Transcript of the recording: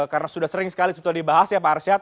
karena sudah sering sekali sebetulnya dibahas ya pak arsyad